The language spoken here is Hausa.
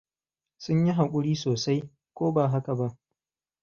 Sun yi haƙuri sosai, ko ba haka ba?